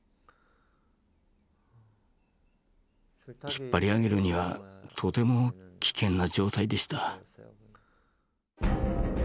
引っ張り上げるにはとても危険な状態でした。